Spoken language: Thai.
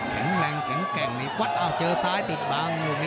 แข็งแรงแข็งแกร่งอ้าวเจอซ้ายติดบัง